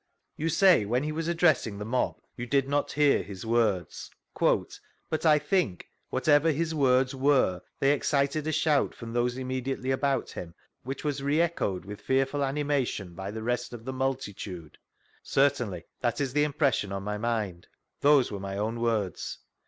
You say when he was addressing the mob, you did not hear his w>ord% "but I think, whateyer his words were, they excited a shout from those immediately about him, which was re echoed with fearful animation by the rest of the multitude "?— Certainly, that is the impression on my mind ; those were my own words.